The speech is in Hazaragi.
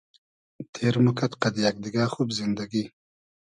تېر موکئد قئد یئگ دیگۂ خوب زیندئگی